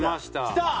きた！